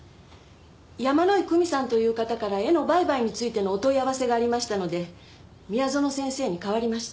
山井久美さんという方から絵の売買についてのお問い合わせがありましたので宮園先生に代わりました。